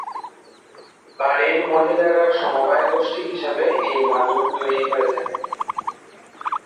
বাড়ির মহিলারা সমবায় গোষ্ঠী হিসাবে এই মাদুর তৈরি করে থাকেন।